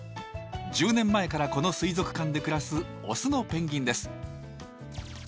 １０年前からこの水族館で暮らすオスのペンギンです。